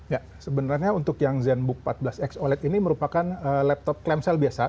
ya sebenarnya untuk yang zenbook empat belas x oled ini merupakan laptop klem cell biasa